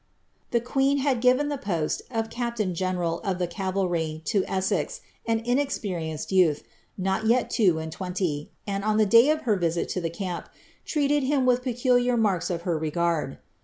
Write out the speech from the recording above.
* The queen had given the post of captain general of the cavalry to Essex, an inexperienced youth, not yet two and twenty, and, on the day of her visit to the camp, treated him with peculiar marks of her »ard.